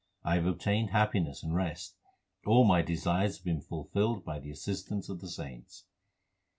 I have obtained happiness and rest ; all my desires have been fulfilled by the assistance of the saints.